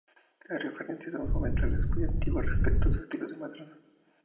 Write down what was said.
Hay referencias documentales muy antiguas respecto de un castillo de Madrona.